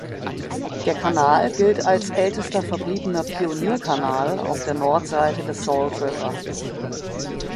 Der Kanal gilt als ältester verbliebener Pionier Kanal auf der Nordseite des Salt River.